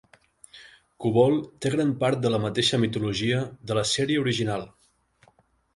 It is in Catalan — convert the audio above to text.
Kobol té gran part de la mateixa mitologia de la sèrie original.